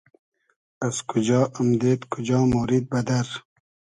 از کوجا امدېد کوجا مۉرید بئدئر؟